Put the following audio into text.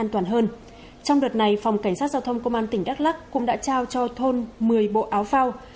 trong đợt này phòng cảnh sát giao thông công an tỉnh đắk lắc cũng đã trao cho thôn một mươi bộ áo phao